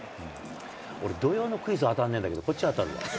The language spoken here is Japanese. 俺、同様のクイズ当たんねえんだけど、こっち当たるわ。